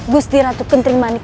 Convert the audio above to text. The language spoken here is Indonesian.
gusti ratu kentering manik